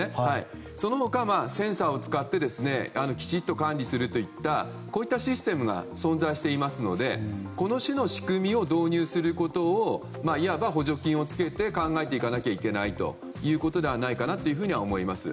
その他センサーを使ってしっかり管理するといったシステムが存在していますのでこの種の仕組みを導入することをいわば補助金を使って考えていかなければいけないというふうに思います。